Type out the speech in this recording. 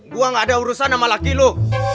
gua gak ada urusan sama laki lu